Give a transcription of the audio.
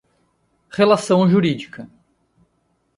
relação jurídica;